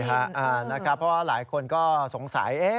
เพราะว่าหลายคนก็สงสัย